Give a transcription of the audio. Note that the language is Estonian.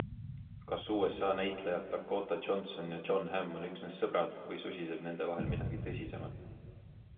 Kas USA näitlejad Dakota Johnson ja Jon Hamm on üksnes sõbrad või susiseb nende vahel midagi tõsisemat?